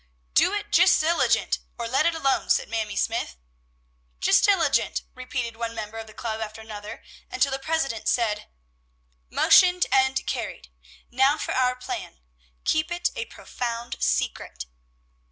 "Do it jist illigant, or let it alone," said Mamie Smythe. "Jist illigant!" repeated one member of the club after another, until the president said, "Motioned, and carried. Now for our plan. Keep it a profound secret!"